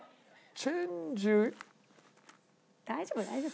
大丈夫大丈夫。